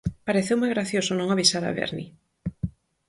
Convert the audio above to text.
Pareceume gracioso non avisar a Bernie.